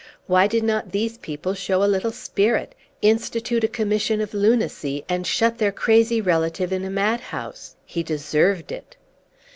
Why did not these people show a little spirit institute a commission of lunacy, and shut their crazy relative in a mad house? He deserved it.